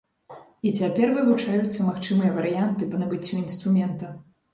І цяпер вывучаюцца магчымыя варыянты па набыццю інструмента.